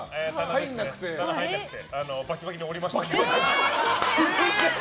入らなくてバキバキに折りました。